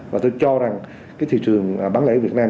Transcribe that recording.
và tôi cho rằng cái thị trường bán lẻ việt nam